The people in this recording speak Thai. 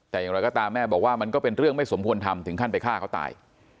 แต่อย่างไรก็ตามแม่บอกว่ามันก็เป็นเรื่องไม่สมควรทำถึงขั้นไปฆ่าเขาตาย